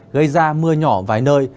gây ra mưa nhỏ vài nơi